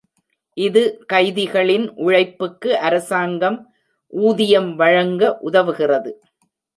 இது கைதிகளின் உழைப்புக்கு அரசாங்கம் ஊதியம் வழங்க உதவுகிறது.